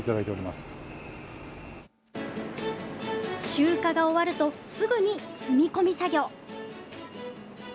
集荷が終わると、すぐに積み込み作業。